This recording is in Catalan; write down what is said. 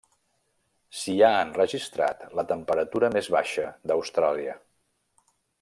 S'hi ha enregistrat la temperatura més baixa d'Austràlia.